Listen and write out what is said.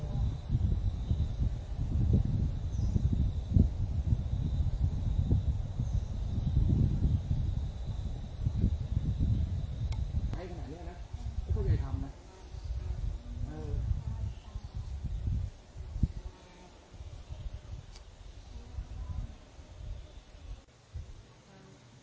ไอ้คนไหนแย่แล้วนะแอ้งพวกนายทำน่ะ